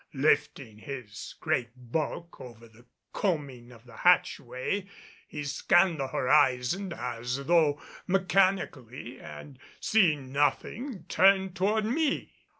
Lifting his great bulk over the combing of the hatchway he scanned the horizon as though mechanically and, seeing nothing, turned toward me.